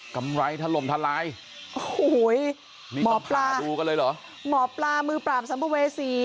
กำไรทะลมทะลายโอ้โหมอบปลามอบปลามือปราบสัมภเวษี